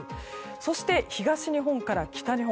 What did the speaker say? そして、東日本から北日本。